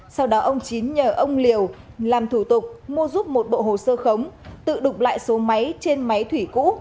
sau đó ông chín nhờ ông liều làm thủ tục mua giúp một bộ hồ sơ khống tự đục lại số máy trên máy thủy cũ